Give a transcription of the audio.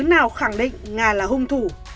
nào khẳng định ngà là hung thủ